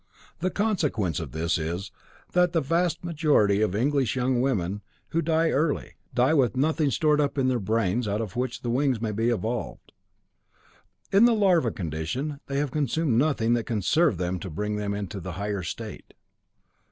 The consequence of this is, that the vast majority of English young women who die early, die with nothing stored up in their brains out of which the wings may be evolved. In the larva condition they have consumed nothing that can serve them to bring them into the higher state."